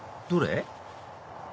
どれ？